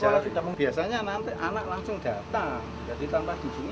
jadi tanpa di sini anak harus datang